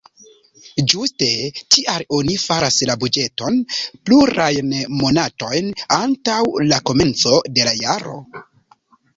Ĝuste tial oni faras la buĝeton plurajn monatojn antaŭ la komenco de la jaro.